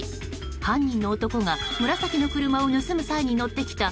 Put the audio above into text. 犯人の男が紫の車を盗む際に乗ってきた